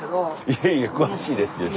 いやいや詳しいですよ